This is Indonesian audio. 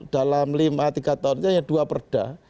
dalam lima tiga tahun itu hanya dua perda